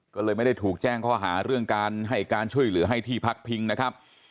ก็เลยไม่ได้ถูกแจ้งข้อหาเรื่องการให้การช่วยเหลือให้ที่พักพิงนะครับ